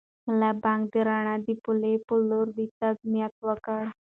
ملا بانګ د رڼا د پولې په لور د تګ نیت وکړ.